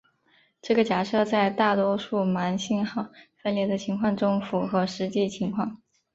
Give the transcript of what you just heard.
这个假设在大多数盲信号分离的情况中符合实际情况。